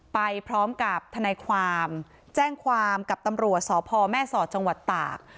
ไปพร้อมกับธรรมชมฯแจ้งความกับตำรัวส่อพอแม่สอจังหวัดตาก